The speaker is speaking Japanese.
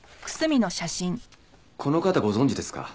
この方ご存じですか？